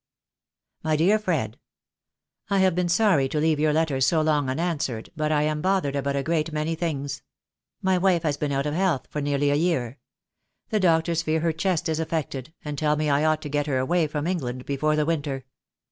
"My dear Fred, "I have been sorry to leave your letter so long un answered, but I am bothered about a great many things. My wife has been out of health for nearly a year. The doctors fear her chest is affected, and tell me I ought to get her away from England before the winter.